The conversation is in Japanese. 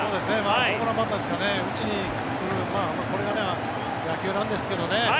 ホームランバッターですから打ちに来るこれが野球なんですけどね。